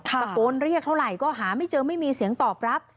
ตะโกนเรียกเท่าไหร่ก็หาไม่เจอไม่มีเสียงตอบรับ